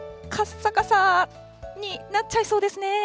さかさになっちゃいそうですね。